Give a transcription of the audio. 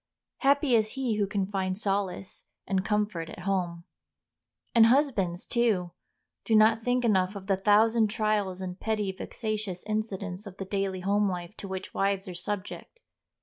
Happy is he who can find solace and comfort at home. And husbands, too, do not think enough of the thousand trials and petty, vexatious incidents of the daily home life to which wives are subject.